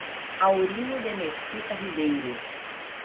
Aurino de Mesquita Ribeiro